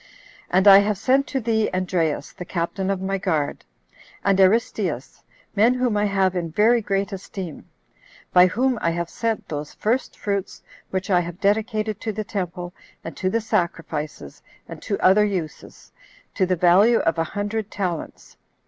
And I have sent to thee Andreas, the captain of my guard, and Aristeus, men whom I have in very great esteem; by whom I have sent those first fruits which I have dedicated to the temple, and to the sacrifices, and to other uses, to the value of a hundred talents.